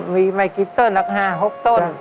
มีไว้กี่ต้นละ๕๖ต้น